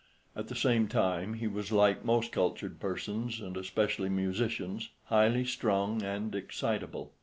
At the same time he was, like most cultured persons and especially musicians, highly strung and excitable.